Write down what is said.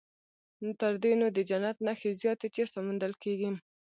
تر دې نو د جنت نښې زیاتې چیرته موندل کېږي.